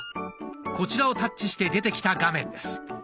こちらをタッチして出てきた画面です。